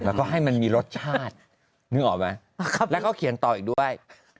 แล้วก็ให้มันมีรสชาตินึกออกไหมแล้วก็เขียนต่ออีกด้วย